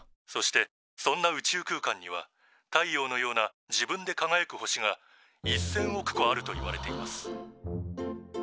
「そしてそんな宇宙空間には太陽のような自分でかがやく星が１，０００億個あるといわれています」。